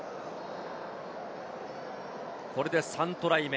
これで３トライ目。